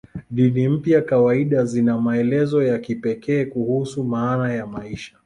Dini mpya kawaida zina maelezo ya kipekee kuhusu maana ya maisha.